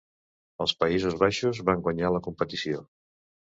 Els Països Baixos van guanyar la competició.